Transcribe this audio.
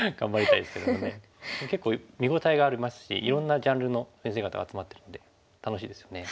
結構見応えがありますしいろんなジャンルの先生方集まってるんで楽しいですよね。